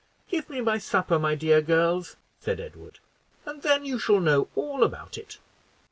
"Give me my supper, my dear girls," said Edward, "and then you shall know all about it."